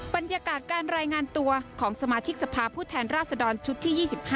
บรรยากาศการรายงานตัวของสมาชิกสภาพผู้แทนราชดรชุดที่๒๕